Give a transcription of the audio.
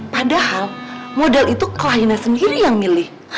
padahal modal itu kliennya sendiri yang milih